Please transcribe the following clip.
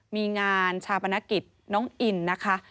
มีงานชาปนกิจน้องอินนะคะ